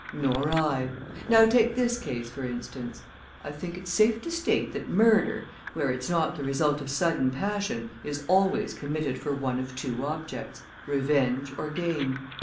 "Nor I. Now take this case, for instance. I think it's safe to state that murder, where it's not the result of sudden passion, is always committed for one of two objects revenge or gain.